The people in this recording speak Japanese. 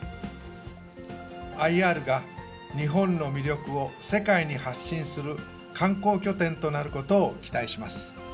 ＩＲが日本の魅力を世界に発信する観光拠点となることを期待します。